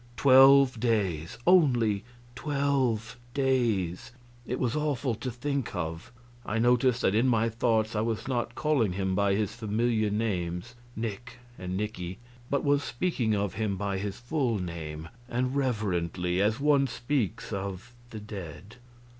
Twelve days only twelve days. It was awful to think of. I noticed that in my thoughts I was not calling him by his familiar names, Nick and Nicky, but was speaking of him by his full name, and reverently, as one speaks of the dead.